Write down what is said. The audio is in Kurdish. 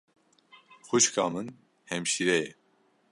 Xwîşka min hemşîre ye.